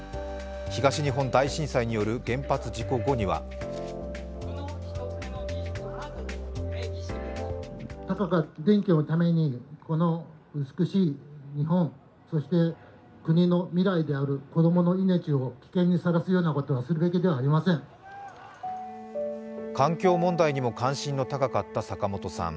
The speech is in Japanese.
東日本大震災による原発事故後には環境問題にも関心の高かった坂本さん。